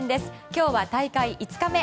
今日は大会５日目。